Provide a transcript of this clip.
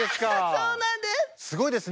そうなんです！